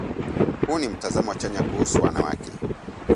Huu ni mtazamo chanya kuhusu wanawake